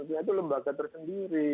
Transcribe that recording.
itu lembaga tersendiri